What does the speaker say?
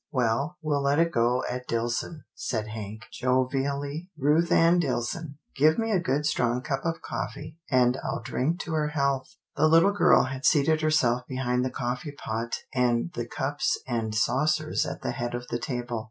"Well, we'll let it go at Dillson," said Hank 46 'TILDA JANE'S ORPHANS jovially, " Ruth Ann Dillson. Give me a good strong cup of coffee, and I'll drink to her health." The little girl had seated herself behind the cof fee pot and the cups and saucers at the head of the table.